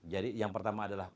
jadi yang pertama adalah